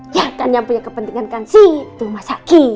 ya kan yang punya kepentingan kan si tumasa ki